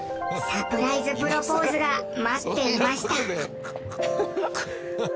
サプライズプロポーズが待っていました。